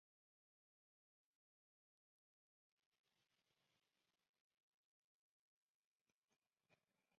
En invierno migra al sur-sureste de Asia, principalmente a China y los países vecinos.